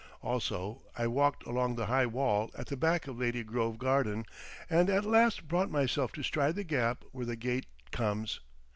Also I walked along the high wall at the back of Lady Grove garden, and at last brought myself to stride the gap where the gate comes.